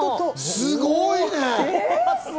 すごいね。